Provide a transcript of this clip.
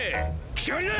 決まりだ！